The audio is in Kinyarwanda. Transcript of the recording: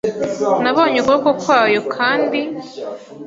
Nabonye ukuboko kwayo, kandi